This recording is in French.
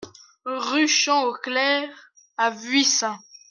Rue Champ au Clerc à Vuillecin